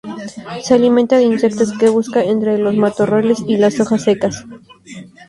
Se alimenta de insectos, que busca entre los matorrales y las hojas secas.